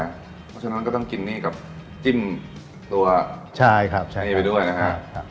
เพราะฉะนั้นก็ต้องกินนี่กับจิ้มตัวอันนี้ไปด้วยนะฮะ